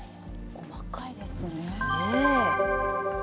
細かいですね。